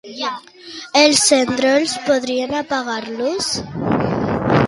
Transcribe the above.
Els endolls, podries apagar-los?